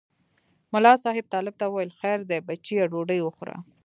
ملا صاحب طالب ته وویل خیر دی بچیه ډوډۍ وخوره.